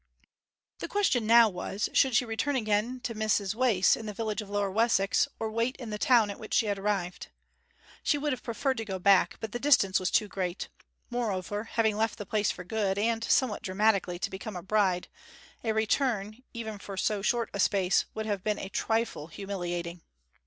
The question now was, should she return again to Mrs Wace, in the village of Lower Wessex, or wait in the town at which she had arrived. She would have preferred to go back, but the distance was too great; moreover, having left the place for good, and somewhat dramatically, to become a bride, a return, even for so short a space, would have been a trifle humiliating.